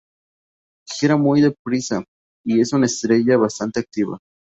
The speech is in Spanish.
Gira muy deprisa y es una estrella bastante activa.